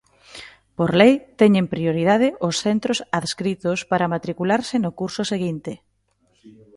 Por lei teñen prioridade os centros adscritos para matricularse no curso seguinte.